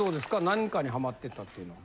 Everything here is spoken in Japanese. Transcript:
何かにハマってたっていうのは。